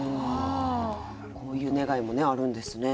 こういう願いもあるんですね。